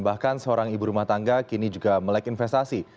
bahkan seorang ibu rumah tangga kini juga melek investasi